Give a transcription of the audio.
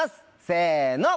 せの！